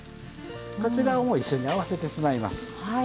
こちらをもう一緒に合わせてしまいます。